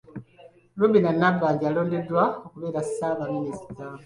Robinah Nabbanja n’alondebwa okubeera Ssaabaminisita.